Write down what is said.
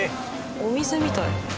お店みたい。